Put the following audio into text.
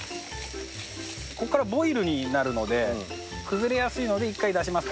ここからボイルになるので崩れやすいので一回出します。